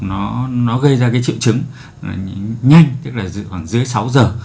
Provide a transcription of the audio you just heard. nó gây ra cái triệu chứng nhanh tức là khoảng dưới sáu giờ